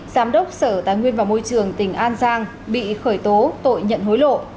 giám đốc sở tài nguyên và môi trường tỉnh an giang bị khởi tố tội nhận hối lộ